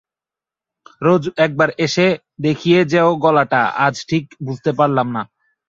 রোজ একবার এসে দেখিয়ে যেও গলাটা, আজ ঠিক বুঝতে পারলাম না।